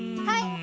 はい。